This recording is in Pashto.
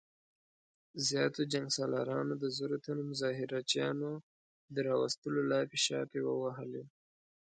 زياتو جنګ سالارانو د زرو تنو مظاهره چيانو د راوستلو لاپې شاپې ووهلې.